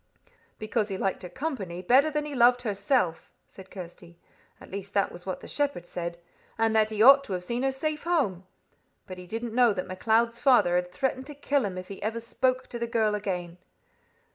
"Because he liked her company better than he loved herself," said Kirsty. "At least that was what the shepherd said, and that he ought to have seen her safe home. But he didn't know that MacLeod's father had threatened to kill him if ever he spoke to the girl again."